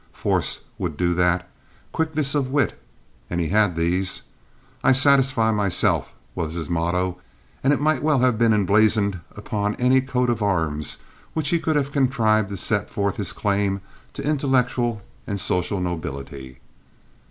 Force would do that. Quickness of wit. And he had these. "I satisfy myself," was his motto; and it might well have been emblazoned upon any coat of arms which he could have contrived to set forth his claim to intellectual and social nobility.